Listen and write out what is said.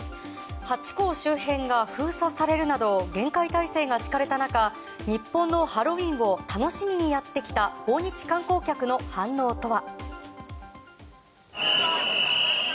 ハチ公周辺が封鎖されるなど厳戒態勢が敷かれた中日本のハロウィーンを楽しみにやってきた訪日観光客の反応とは。